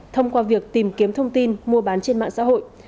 thông qua việc tìm kiếm thông tin mua bán trên mạng xã hội